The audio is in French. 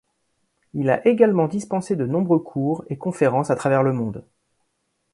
Il a également dispensé de nombreux cours et conférences à travers le monde.